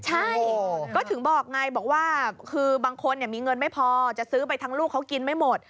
ใช่ก็ถึงบอกไงบอกว่าคือบางคนมีเงินไม่พอจะซื้อไปทั้งลูกเขากินไม่หมด